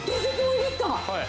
はい。